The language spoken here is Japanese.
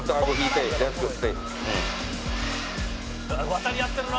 「渡り合ってるな！」